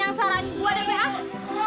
jangan luar biasa